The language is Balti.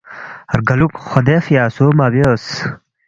رگالوکھ خدے فیا سو مَہ بیوس